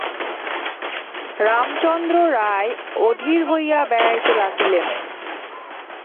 রামচন্দ্র রায় অধীর হইয়া বেড়াইতে লাগিলেন।